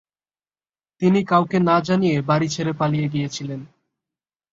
তিনি কাউকে না জানিয়ে বাড়ি ছেড়ে পালিয়ে গিয়েছিলেন।